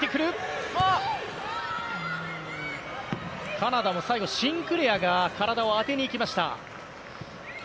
カナダは最後、シンクレアが体を当てました。